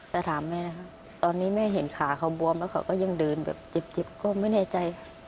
แต่ถามแม่นะครับตอนนี้แม่เห็นขาเขาบวมแล้วเขาก็ยังเดินแบบจิบก็ไม่แน่ใจ